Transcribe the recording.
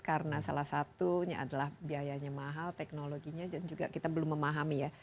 karena salah satunya adalah biayanya mahal teknologinya dan juga kita belum memahami ya